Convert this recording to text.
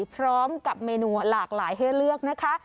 พร้อมกับเมนูหลากหลายให้เลือกนะคะ